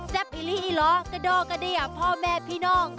อิลิอีเหรอกระดอกกระเดียพ่อแม่พี่น้อง